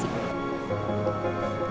iya juga sih